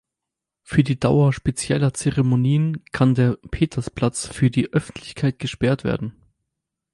Für die Dauer spezieller Zeremonien kann der Petersplatz für die Öffentlichkeit gesperrt werden.